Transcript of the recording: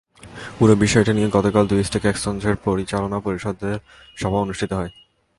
পুরো বিষয়টি নিয়ে গতকাল দুই স্টক এক্সচেঞ্জের পরিচালনা পর্ষদের সভা অনুষ্ঠিত হয়।